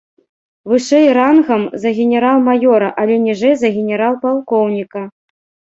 Вышэй рангам за генерал-маёра, але ніжэй за генерал-палкоўніка.